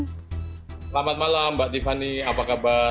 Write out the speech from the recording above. selamat malam mbak tiffany apa kabar